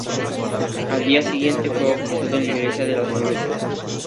Al día siguiente fue bautizado en la Iglesia de Las Nieves.